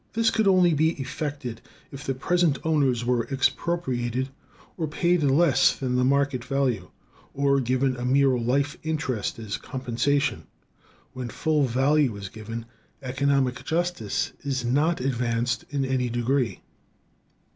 This could only be effected if the present owners were expropriated, or paid less than the market value, or given a mere life interest as compensation. When full value is given, economic justice is not advanced in any degree.